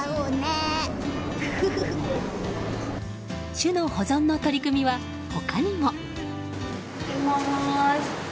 種の保存の取り組みは他にも。